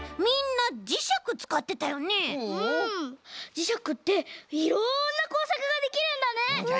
じしゃくっていろんなこうさくができるんだね。